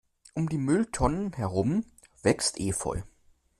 Um die Mülltonnen herum wächst Efeu.